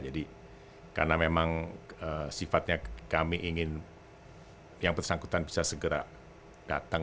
jadi karena memang sifatnya kami ingin yang persangkutan bisa segera datang